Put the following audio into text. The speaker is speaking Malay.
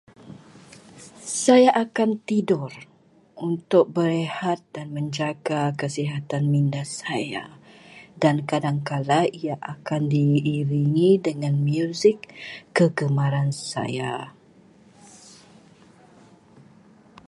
Saya akan tidur untuk berehat dan menjaga kesihatan minda saya, dan kadangkala ia akan diiringi dengan muzik kegemaran saya.